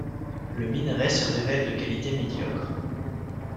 Le minerai se révèle de qualité médiocre.